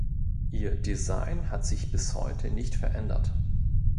Ihr Design hat sich bis heute nicht verändert.